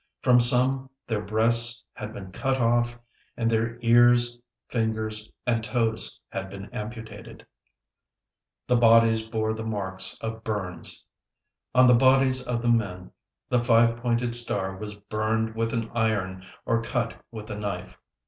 From some their breasts had been cut off and their ears, fingers, and toes had been amputated. The bodies bore the marks of burns. On the bodies of the men the five pointed star was burned with an iron or cut with a knife.